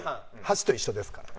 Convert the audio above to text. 箸と一緒ですから。